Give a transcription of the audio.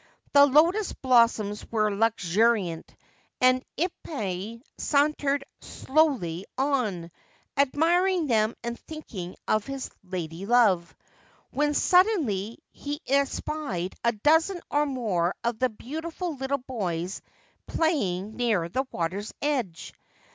The lotus blossoms were luxuriant ; and Ippai sauntered slowly on, admiring them and thinking of his lady love, when suddenly he espied a dozen or more of the beautiful little boys playing near the water's edge.